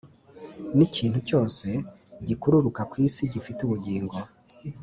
n’ikintu cyose gikururuka ku isi gifite ubugingo